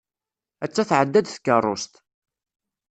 Atta tεedda-d tkeṛṛust.